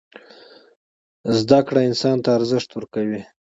زدکړه انسان ته ارزښت ورکوي.